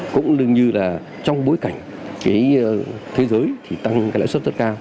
cũng đương như là trong bối cảnh cái thế giới thì tăng cái lãi suất rất cao